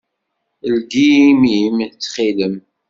Ldi imi-m, ttxil-m!